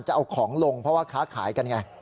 จะเอาของลงเพราะว่าค้าขายกันไง